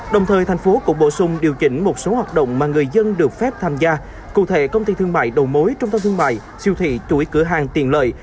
đồng thời thành phố cũng bổ sung điều chỉnh một số hoạt động mà người dân được phép tham gia cụ thể công ty thương mại đầu mối trung tâm thương mại siêu thị chuỗi cửa hàng tiện lợi